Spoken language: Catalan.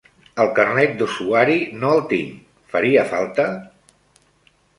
El carnet d'usuari no el tinc, faria falta?